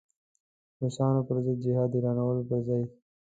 د روسانو پر ضد جهاد اعلانولو پر ځای.